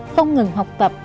không ngừng học tập